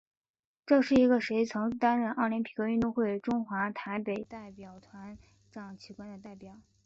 这是一个谁曾担任奥林匹克运动会中华台北代表团掌旗官的列表。